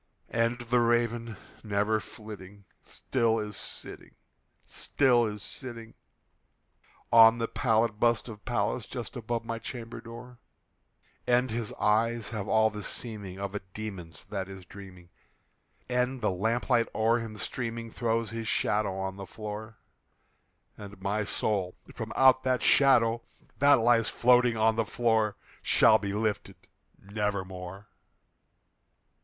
And the Raven, never flitting, still is sitting, still is sitting On the pallid bust of Pallas just above my chamber door; And his eyes have all the seeming of a demon's that is dreaming, And the lamp light o'er him streaming throws his shadow on the floor; And my soul from out that shadow that lies floating on the floor Shall be lifted nevermore!